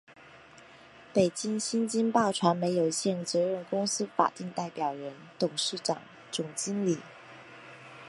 北京新京报传媒有限责任公司法定代表人、董事长、总经理